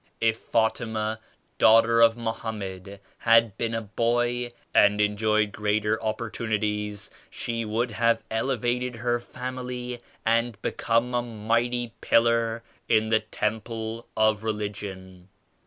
If Fatima daughter of Mohammed had been a boy and enjoyed greater opportunities she would have elevated her family and become a mighty pillar in the temple of Religion.